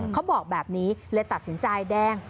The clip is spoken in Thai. เขาบอกแบบนี้เลยตัดสินใจแดง